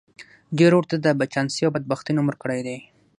ډېرو ورته د بدچانسۍ او بدبختۍ نوم ورکړی دی